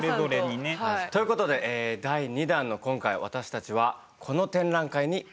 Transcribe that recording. はい皆さんと。ということで第２弾の今回私たちはこの展覧会に行ってきました。